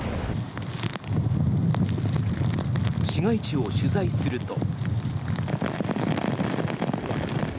市街地を取材すると。